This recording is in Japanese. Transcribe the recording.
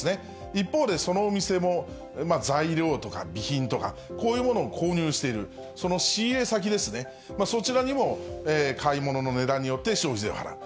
一方で、そのお店も材料とか備品とか、こういうものを購入している、その仕入れ先ですね、そちらにも買い物の値段によって消費税を払う。